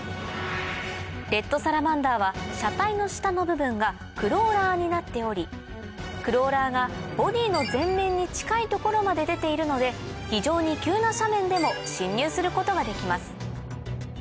レッドサラマンダーは車体の下の部分がクローラーになっておりクローラーがボディーの前面に近い所まで出ているので非常に急な斜面でも進入することができます